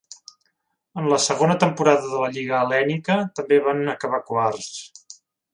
En la segona temporada de la Lliga hel·lènica també van acabar quarts.